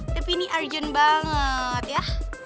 tapi ini urgent banget ya